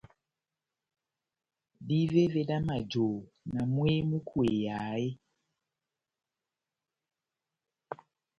Dívévé dá majohó na mwehé múkweyaha eeeh ?